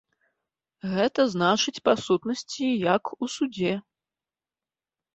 Гэта значыць, па сутнасці, як у судзе.